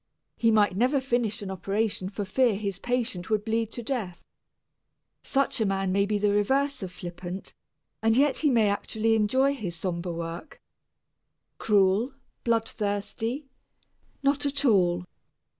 He might never finish an operation for fear his patient would bleed to death. Such a man may be the reverse of flippant, and yet he may actually enjoy his somber work. Cruel, bloodthirsty? Not at all.